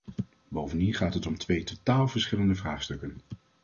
Bovendien gaat het om twee totaal verschillende vraagstukken.